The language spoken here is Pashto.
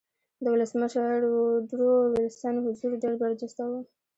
د ولسمشر ووډرو وېلسن حضور ډېر برجسته و